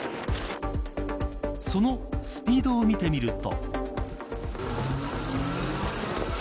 そのスピードを見てみると。